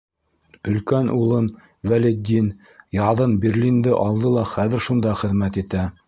Өлкән улым Вәлетдин яҙын Берлинды алды ла хәҙер шунда хеҙмәт итә.